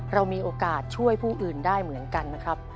เรามีโอกาสช่วยผู้อื่นได้เหมือนกันนะครับ